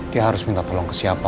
dia harus minta tolong ke siapa